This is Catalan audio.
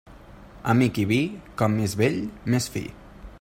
Amic i vi, com més vell més fi.